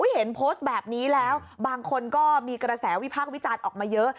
เห็นโพสต์แบบนี้แล้วบางคนก็มีกระแสวิพากษ์วิจารณ์ออกมาเยอะ